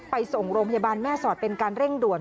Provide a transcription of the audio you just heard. ไปส่งโรงพยาบาลแม่สอดเป็นการเร่งด่วน